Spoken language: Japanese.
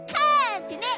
ってね。